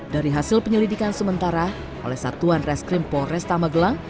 dari hasil penyelidikan sementara oleh satuan reskrim polres tamagelang